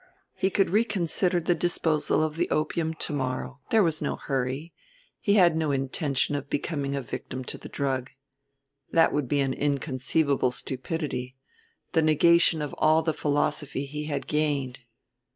He could reconsider the disposal of the opium to morrow; there was no hurry; he had no intention of becoming a victim to the drug. That would be an inconceivable stupidity, the negation of all the philosophy he had gained.